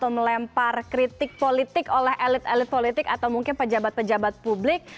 atau melempar kritik politik oleh elit elit politik atau mungkin pejabat pejabat publik